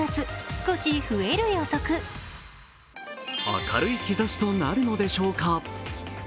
明るい兆しとなるのでしょうか？